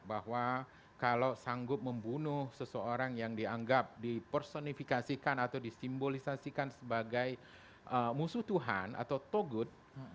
bahwa kalau sanggup membunuh seseorang yang dianggap dipersonifikasikan atau disimbolisasikan sebagai musuh tuhan atau togut